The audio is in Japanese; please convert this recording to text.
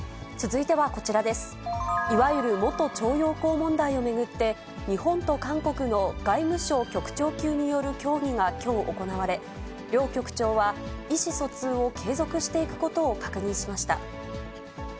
いわゆる元徴用工問題を巡って、日本と韓国の外務省局長級による協議がきょう行われ、両局長は意思疎通を継続していくことを確認しました。